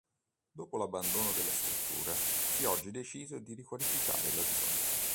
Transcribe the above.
Dopo l'abbandono della struttura, si è oggi deciso di riqualificare la zona.